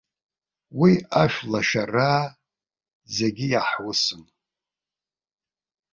Уи ашәлашараа зегьы иаҳусын.